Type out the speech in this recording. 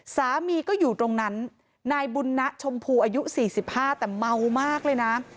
สามีก็อยู่ตรงนั้นนายบุญนะชมพูอายุ๔๕แต่เมามากเลยนะ